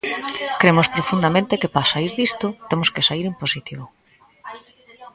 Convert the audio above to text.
Cremos profundamente que para saír disto temos que saír en positivo.